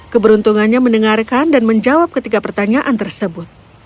keberuntungannya mendengarkan dan menjawab ketiga pertanyaan tersebut